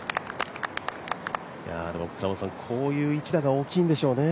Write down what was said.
こういう一打が大きいんでしょうね。